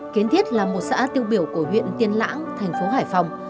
kiến thiết là một xã tiêu biểu của huyện tiên lãng thành phố hải phòng